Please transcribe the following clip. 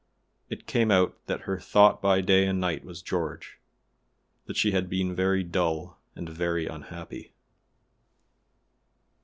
It came out that her thought by day and night was George, that she had been very dull, and very unhappy.